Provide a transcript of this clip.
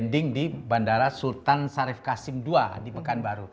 nah ini foto dari bandara sultan syarif kasim ii di mekanbaru